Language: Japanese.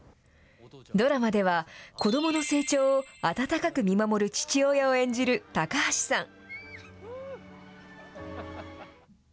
ドラマでは、子どもの成長を温かく見守る父親を演じる高橋さん。